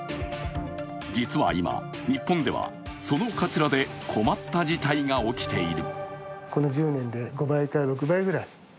実は今、日本ではそのかつらで困った事態が起きている。